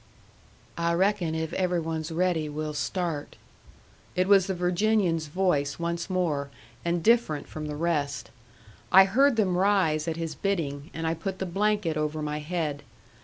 "I reckon if every one's ready we'll start." It was the Virginian's voice once more, and different from the rest. I heard them rise at his bidding, and I put the blanket over my head.